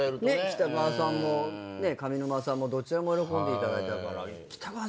北川さんも上沼さんもどちらも喜んでいただいたから。